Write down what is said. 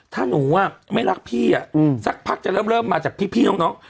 ถ้าหนูว่าไม่รักพี่อ่ะอืมสักพักจะเริ่มเริ่มมาจากพี่พี่น้องน้อง